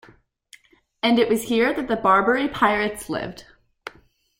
And it was here that the Barbary pirates lived.